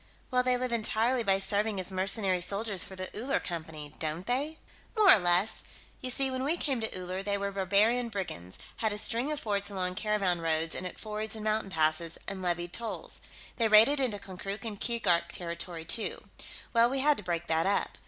"Well, they live entirely by serving as mercenary soldiers for the Uller Company, don't they?" "More or less. You see, when we came to Uller, they were barbarian brigands; had a string of forts along caravan roads and at fords and mountain passes, and levied tolls. They raided into Konkrook and Keegark territory, too. Well, we had to break that up.